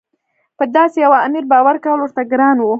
په داسې یوه امیر باور کول ورته ګران وو.